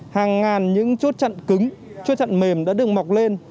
hàng ngàn những chốt chặn cứng chốt chặn mềm đã được mọc lên